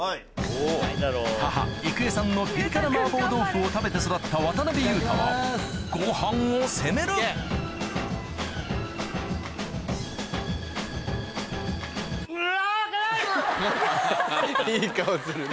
母郁恵さんのピリ辛麻婆豆腐を食べて育った渡辺裕太はご飯を攻めるいい顔するね。